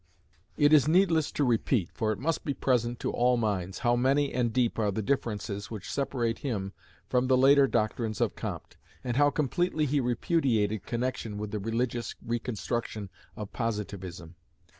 It is needless to repeat, for it must be present to all minds, how many and deep are the differences which separate him from the later doctrines of Comte, and how completely he repudiated connection with the religious reconstruction of Positivism.